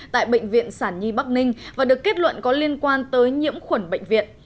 tại bệnh viện sản nhi bắc ninh và được kết luận có liên quan tới nhiễm khuẩn bệnh viện